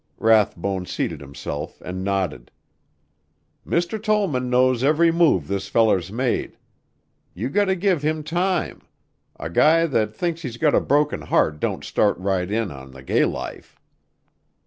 Rathbone seated himself and nodded. "Mr. Tollman knows every move this feller's made. You gotta give him time. A guy that think's he's got a broken heart don't start right in on the gay life."